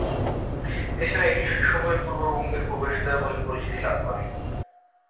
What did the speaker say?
এছাড়া এটি সে সময়ের পূর্ববঙ্গের প্রবেশদ্বার বলে পরিচিতি লাভ করে।